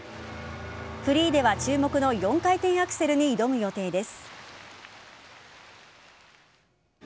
フリーでは注目の４回転アクセルに挑む予定です。